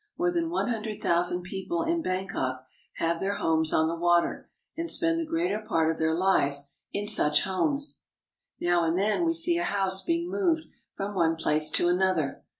More than one hundred thousand people in Bang kok have their homes on the water and spend the greater part of their lives in such homes. Now and then we see a house being moved from one place to another.